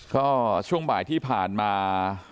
ก็ช่วงบ่ายที่ผ่านมา